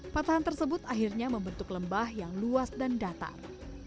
patahan tersebut akhirnya membentuk lembah yang luas dan datar